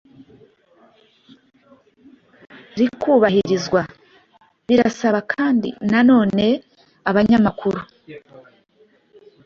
rikubahirizwa. Birasaba kandi nanone abanyamakuru